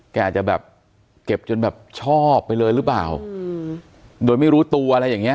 อาจจะแบบเก็บจนแบบชอบไปเลยหรือเปล่าโดยไม่รู้ตัวอะไรอย่างเงี้